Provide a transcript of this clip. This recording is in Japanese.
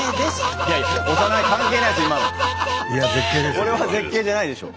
これは絶景じゃないでしょ。